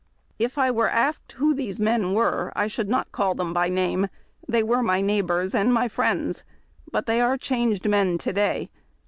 If I were asked who these men were, I should not call them by name. They were my neighbors and my friends, but they are changed men to day.